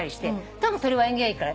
たぶんそれは縁起がいいから。